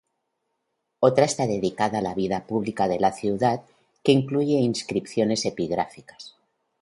Otra está dedicada a la vida pública de la ciudad que incluye inscripciones epigráficas.